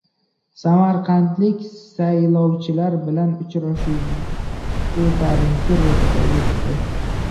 Samarqandlik saylovchilar bilan uchrashuv ko‘tarinki ruhda o‘tdi